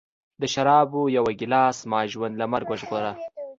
د شرابو یوه ګیلاس زما ژوند له مرګ وژغوره